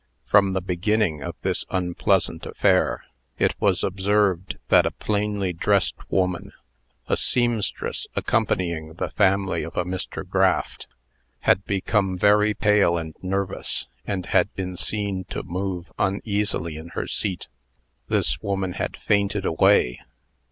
From the beginning of this unpleasant affair, it was observed that a plainly dressed woman a seamstress accompanying the family of a Mr. Graft had become very pale and nervous, and had been seen to move uneasily in her seat. This woman had fainted away.